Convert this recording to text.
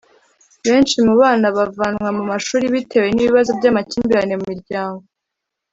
Benshi mu bana bavanwa mu mashuri bitewe n’ibibazo by’amakimbirane mu miryango